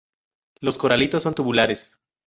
Los coralitos son tubulares.